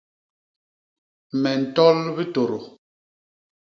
Me ntol bitôdô.